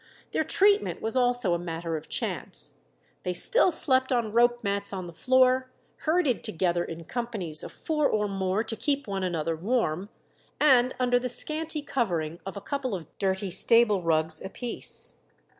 Their treatment was also a matter of chance. They still slept on rope mats on the floor, herded together in companies of four or more to keep one another warm, and under the scanty covering of a couple of dirty stable rugs apiece.